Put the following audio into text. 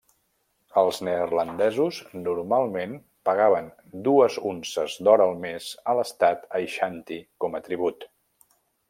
Els neerlandesos normalment pagaven dues unces d'or al mes a l'estat Aixanti com a tribut.